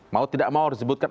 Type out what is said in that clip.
mau tidak mau disebutkan